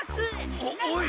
おおい！